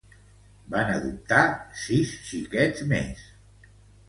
Van adoptar sis xiquets més.